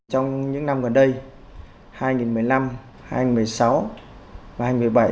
trong những năm gần đây hai nghìn một mươi năm hai nghìn một mươi sáu hai nghìn một mươi bảy